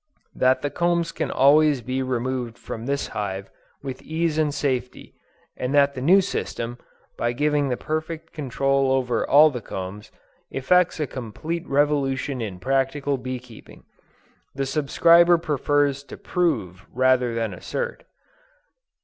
That the combs can always be removed from this hive with ease and safety, and that the new system, by giving the perfect control over all the combs, effects a complete revolution in practical bee keeping, the subscriber prefers to prove rather than assert.